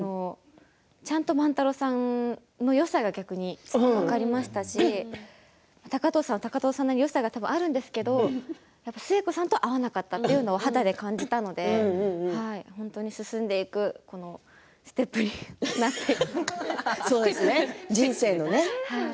ちゃんと万太郎さんのよさが逆に分かりましたし高藤さんは高藤さんなりのよさが多分あるんですけれど寿恵子さんとは合わなかったというのを肌で感じたので本当に進んでいく人生のね。